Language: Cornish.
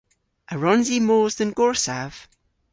A wrons i mos dhe'n gorsav?